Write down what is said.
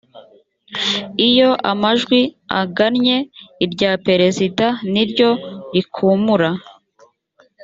iyo amajwi agannye irya perezida niryo rikumura